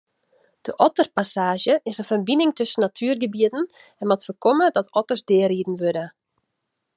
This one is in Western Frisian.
De otterpassaazje is in ferbining tusken natuergebieten en moat foarkomme dat otters deariden wurde.